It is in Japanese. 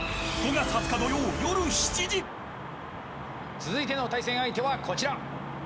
続いての対戦相手は、こちら。